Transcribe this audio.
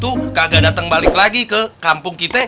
supaya preman preman itu kagak dateng balik lagi ke kampung kita